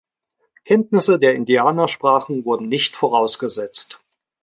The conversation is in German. Kenntnisse der Indianersprachen wurden nicht vorausgesetzt.